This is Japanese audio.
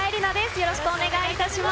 よろしくお願いします。